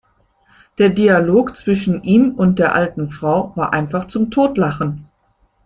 Der Dialog zwischen ihm und der alten Frau war einfach zum Totlachen!